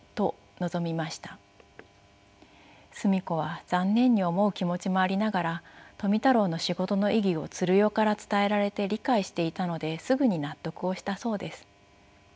澄子は残念に思う気持ちもありながら富太郎の仕事の意義を鶴代から伝えられて理解していたのですぐに納得をしたそうです。